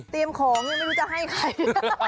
ของยังไม่รู้จะให้ใคร